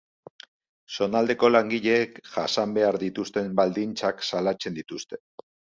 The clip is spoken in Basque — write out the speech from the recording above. Zonaldeko langileek jasan behar dituzten baldintzak salatzen dituzte.